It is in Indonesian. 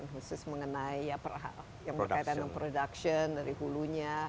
khusus mengenai ya yang berkaitan dengan production dari hulunya